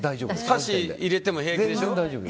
箸入れても平気でしょ。